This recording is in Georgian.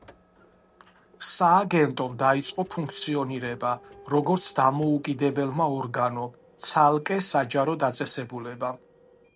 სააგენტომ დაიწყო ფუნქციონირება როგორც დამოუკიდებელმა ორგანომ, ცალკე საჯარო დაწესებულებამ.